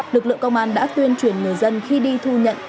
lực lượng công an đã tuyên truyền người dân khi đi thu nhận